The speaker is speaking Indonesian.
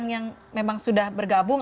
yang memang sudah bergabung